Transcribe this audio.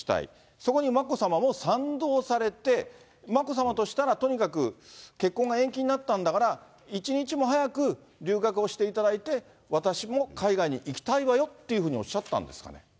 そこに眞子さまも賛同されて、眞子さまとしたら、とにかく結婚が延期になったんだから、一日も早く留学をしていただいて、私も海外に行きたいわよっていうふうにおっしゃったんですかね。